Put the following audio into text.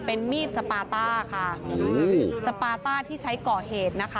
เป็นมีดสปาต้าค่ะสปาต้าที่ใช้ก่อเหตุนะคะ